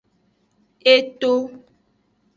E to.